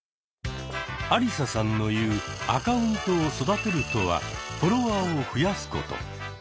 アリサさんのいう「アカウントを育てる」とはフォロワーを増やすこと。